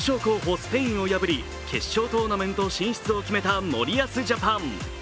スペインを破り決勝トーナメント進出を決めた森保ジャパン。